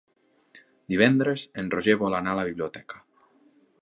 Divendres en Roger vol anar a la biblioteca.